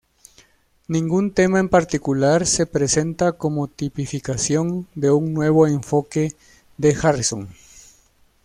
Ningún tema en particular se presenta como tipificación de un nuevo enfoque de Harrison.